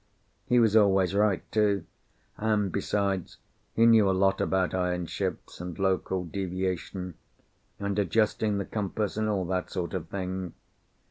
He was always right, too, and besides he knew a lot about iron ships and local deviation, and adjusting the compass, and all that sort of thing.